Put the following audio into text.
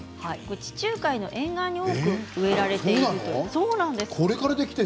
地中海の沿岸に多く植えられているものです。